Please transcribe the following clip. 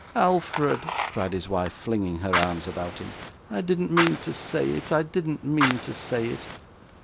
'Alfred,' cried his wife, flinging her arms about him, 'I didn't mean to say it, I didn't mean to say it!